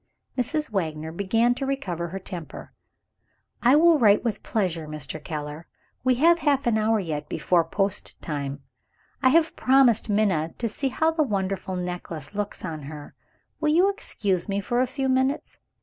Mrs. Wagner began to recover her temper. "I will write with pleasure, Mr. Keller. We have half an hour yet before post time. I have promised Minna to see how the wonderful necklace looks on her. Will you excuse me for a few minutes?